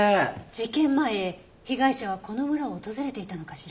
事件前被害者はこの村を訪れていたのかしら？